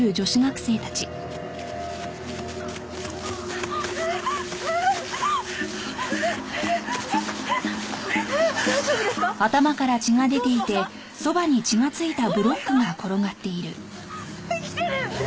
生きてる！